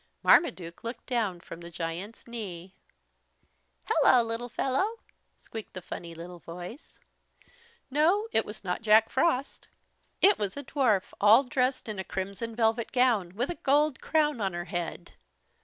Marmaduke looked down from the giant's knee. "Hello, little fellow," squeaked the funny little voice. No, it was not Jack Frost. It was a dwarf, all dressed in a crimson velvet gown, with a gold crown on her head.